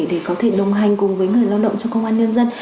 để có thể đồng hành cùng với người đoàn động cho công an nhân dân